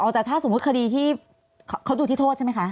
แต่ถ้าสมมุติคดีที่เขาดูที่โทษใช่ไหมคะ